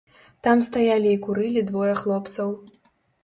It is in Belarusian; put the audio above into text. Там стаялі і курылі двое хлопцаў.